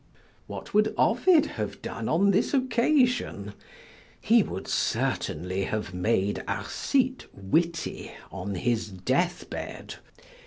What would Ovid have done on this occasion? He would certainly have made Arcite witty on his deathbed.